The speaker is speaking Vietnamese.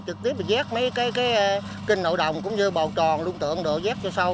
trực tiếp mà giác mấy cái kênh nội đồng cũng như bò tròn luôn tượng đồ giác cho sâu